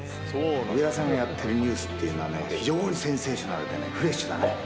上田さんがやってるニュースっていうのはね、非常にセンセーショナルでね、フレッシュだね。